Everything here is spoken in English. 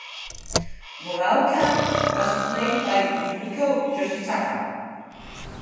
Muraoka was played by Yuriko Yoshitaka.